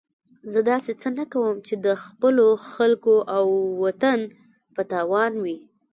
زه داسې څه نه کوم چې د خپلو خلکو او وطن په تاوان وي.